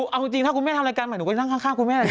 เอาจริงถ้าคุณแม่ทำรายการใหม่หนูก็นั่งข้างคุณแม่เลยนะ